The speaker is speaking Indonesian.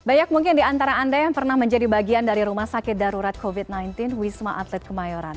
banyak mungkin di antara anda yang pernah menjadi bagian dari rumah sakit darurat covid sembilan belas wisma atlet kemayoran